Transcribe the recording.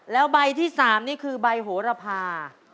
แล้วใบที่๓นี่คือใบโหระพา